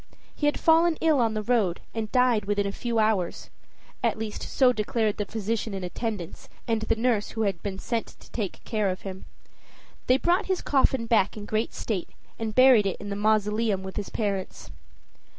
He had fallen ill on the road and died within a few hours; at least so declared the physician in attendance and the nurse who had been sent to take care of him. They brought his coffin back in great state, and buried it in the mausoleum with his parents.